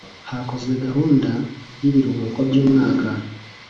Hakozwe gahunda y ibiruhuko by’ umwaka